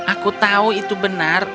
aku tahu itu benar